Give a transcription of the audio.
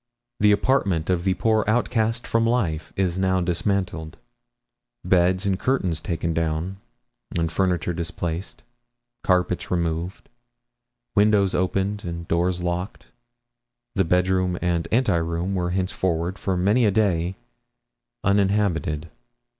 The apartment of the poor outcast from life is now dismantled. Beds and curtains taken down, and furniture displaced; carpets removed, windows open and doors locked; the bedroom and anteroom were henceforward, for many a day, uninhabited.